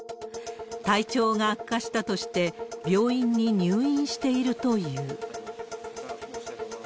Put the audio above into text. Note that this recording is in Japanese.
体調が悪化したとして、病院に入院しているという。